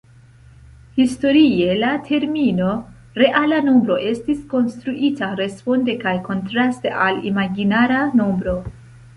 Historie la termino "reala nombro" estis konstruita responde kaj kontraste al imaginara nombro.